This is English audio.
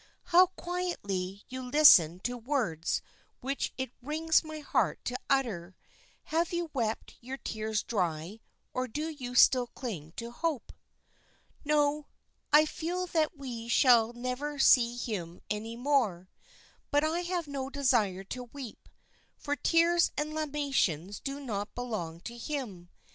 "How quietly you listen to words which it wrings my heart to utter. Have you wept your tears dry, or do you still cling to hope?" "No, I feel that we shall never see him any more; but I have no desire to weep, for tears and lamentations do not belong to him.